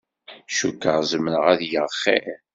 Cukkeɣ zemreɣ ad geɣ xir.